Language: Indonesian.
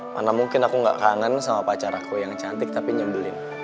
karena mungkin aku gak kangen sama pacar aku yang cantik tapi nyembelin